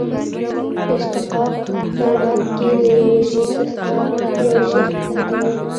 اشتقاق په لغت کښي له یوه شي څخه یو شي اخستلو ته وايي.